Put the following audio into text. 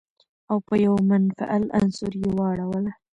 او په يوه منفعل عنصر يې واړوله.